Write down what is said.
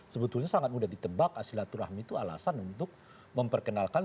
sebetulnya sangat mudah ditebak silaturahmi itu alasan untuk memperkenalkan